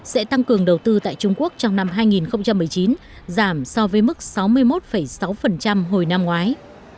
sẽ tăng cường đầu tư tại trung quốc trong năm hai nghìn một mươi chín giảm so với mức sáu mươi một sáu hồi năm ngoái